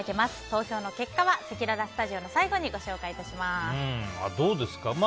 投票の結果はせきららスタジオの最後にどうですか？